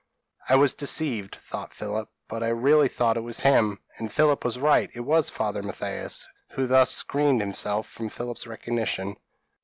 p> "I was deceived," thought Philip; "but I really thought it was him." And Philip was right; it was Father Mathias, who thus screened himself from Philip's recognition.